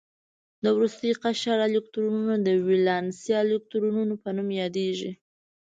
د وروستي قشر الکترونونه د ولانسي الکترونونو په نوم یادوي.